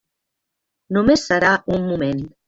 Només serà un moment.